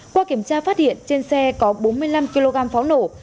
qua kiểm tra phát hiện trên xe có bốn mươi năm kg pháo nổ